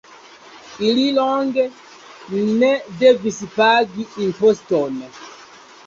Ili longe ne devis pagi imposton.